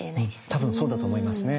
多分そうだと思いますね。